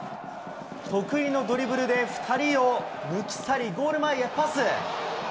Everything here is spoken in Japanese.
得意のドリブルで２人を抜き去り、ゴール前へパス。